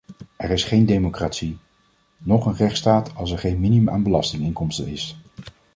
Er is geen democratie, noch een rechtsstaat als er geen minimum aan belastinginkomsten is.